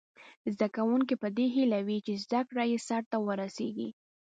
زده کوونکي په دې هیله وي چې زده کړه یې سرته ورسیږي.